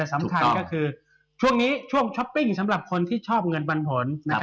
สำคัญก็คือช่วงนี้ช่วงช้อปปิ้งสำหรับคนที่ชอบเงินปันผล